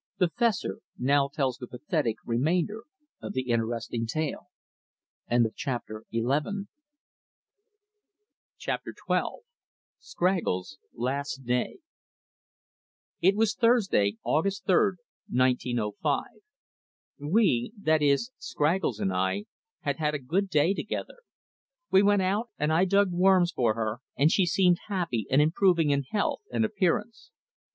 The Fessor now tells the pathetic remainder of the interesting tale. Chapter XII Scraggles' Last Day It was Thursday, August 3, 1905. We (that is, Scraggles and I) had had a good day together. We went out and I dug worms for her, and she seemed happy and improving in health and appearance.